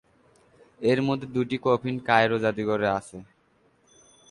এর মধ্যে দুইটি কফিন কায়রো জাদুঘরে আছে।